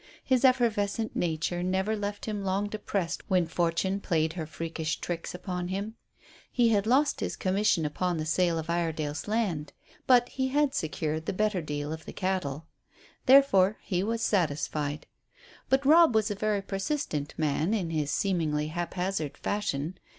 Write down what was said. His effervescent nature never left him long depressed when Fortune played her freakish tricks upon him. He had lost his commission upon the sale of Iredale's land, but he had secured the better deal of the cattle. Therefore he was satisfied. But Robb was a very persistent man in his seemingly haphazard fashion.